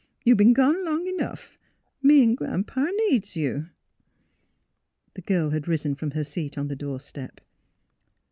You b'en gone long 'nough. Me 'n' Gran 'pa needs you." The girl had risen from her seat on the door step.